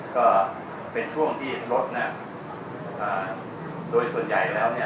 ก็เป็นช่วงที่รถโดยส่วนใหญ่แล้ว